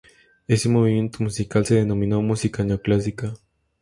Ese movimiento musical se denominó "música neoclásica".